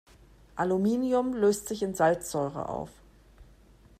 Aluminium löst sich in Salzsäure auf.